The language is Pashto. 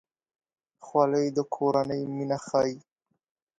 خولۍ د کورنۍ مینه ښيي.